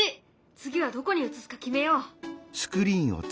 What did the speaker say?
次はどこに映すか決めよう。